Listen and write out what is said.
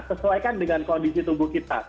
sesuaikan dengan kondisi tubuh kita